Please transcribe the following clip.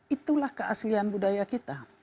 itulah keaslian budaya kita